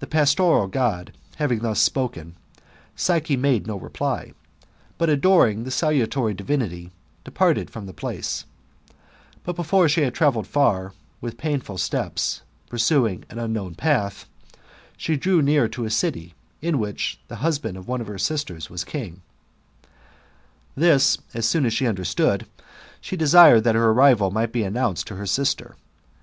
The pastoral God having thus spoken. Psyche made no reply, but adoring the salutary divinity, departed from the place; But before she had travelled far, with painful steps pursuing an unknown path, she drew near t6 a city in which '* Tbis alludes to the well known ^nlle of Syrinx and Pan. 84 THE MBTAMORPHOSIS, OR the husband of one of her sisters was king. This, as soon as she understood, she desired that her arrival might be announced to her sister.